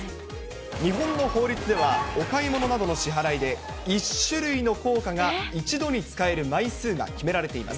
日本の法律ではお買い物の支払いで１種類の硬貨が１度に使える枚数が決められています。